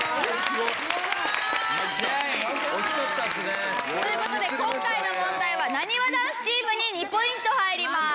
惜しかったですね。という事で今回の問題はなにわ男子チームに２ポイント入ります。